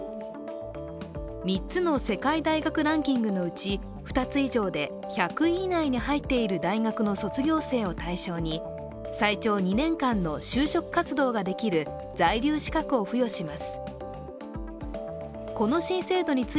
３つの世界大学ランキングのうち２つ以上で１００位以内に入っている大学の卒業生を対象に最長２年間の就職活動ができる在留資格を付与します。